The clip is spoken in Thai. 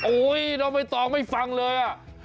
โอ้ยเราไม่ต้องไม่ฟังเลย